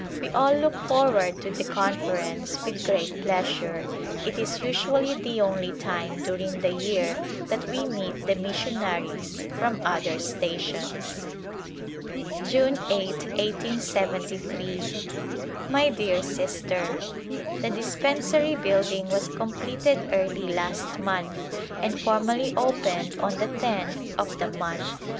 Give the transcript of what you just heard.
We all look forward to the Conference with great pleasure ; it is usually the only time during the year that we meet the mission aries from other stations. June 8, 1873. My dear Sister : The dispensary building was completed early last month and formally opened on the tenth of the month.